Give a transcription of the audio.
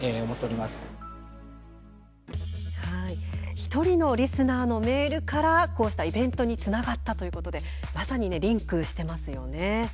１人のリスナーのメールから、こうしたイベントにつながったということでまさにリンクしてますよね。